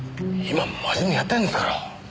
今は真面目にやってんですから！